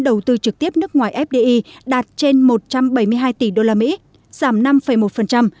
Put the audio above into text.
đầu tư trực tiếp nước ngoài fdi đạt trên một trăm bảy mươi hai tỷ usd giảm năm một